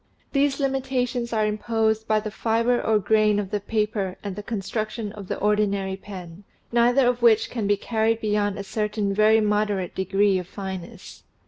These limitations are im posed by the fiber or grain of the paper and the construc tion of the ordinary pen, neither of which can be carried beyond a certain very moderate degree of fineness.